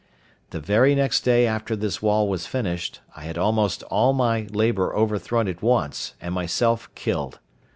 The very next day after this wall was finished I had almost had all my labour overthrown at once, and myself killed.